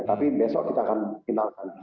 tapi besok kita akan finalkan